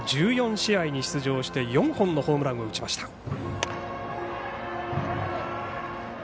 １４試合に出場して４本のホームランを打ちました。